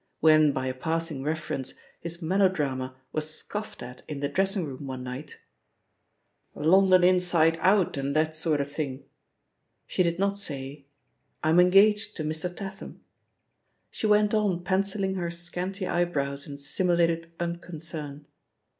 When, by a passing reference, his melodrama was scoffed at in the dressing room one mght— ^'London Innde Out, and that sort of thing 1" — she did not say, "I'm engaged to Mr. Tatham." She went on pencilling her scanty eyebrows and simulated un concern.